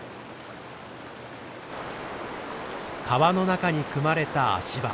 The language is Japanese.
川の中に組まれた足場。